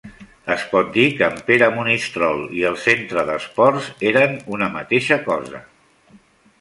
Es pot dir que en Pere Monistrol i el Centre d'Esports eren una mateixa cosa.